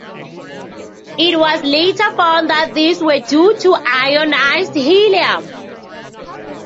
It was later found that these were due to ionized helium.